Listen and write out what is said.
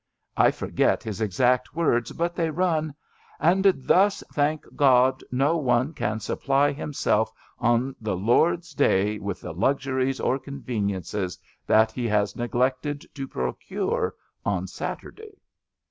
I for get his exact words, but they run: '*• Arid thus, thank God, no one can supply himself on the Lord's day with the luxuries or conveniences that he has neglected to procure on Saturday.'